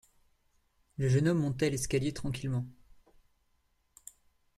Le jeune homme montait l’escalier tranquillement.